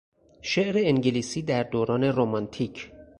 شعر انگلیسی در دوران رومانتیک